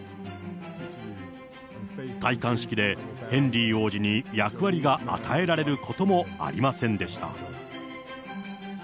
戴冠式でヘンリー王子に役割は与えられることもありませんでした。